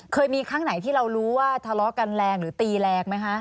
เคยมีครั้งไหนที่เรารู้ว่าทะเลาะกันแรงหรือตีแรงไหมคะ